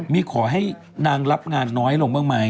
มีขอให้นางรับงานน้อยลงบ้างไหม